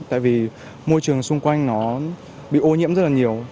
tại vì môi trường xung quanh nó bị ô nhiễm rất là nhiều